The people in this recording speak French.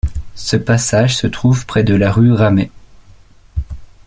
Ce passage se trouve près de la rue Ramey.